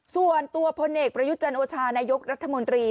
ส่วนตัวพลเอกประยุจันโอชานายกรัฐมนตรี